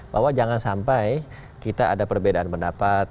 bahwa jangan sampai kita ada perbedaan pendapat